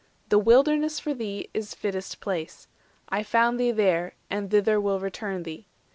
The Wilderness For thee is fittest place: I found thee there, And thither will return thee.